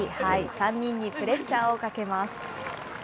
３人にプレッシャーをかけます。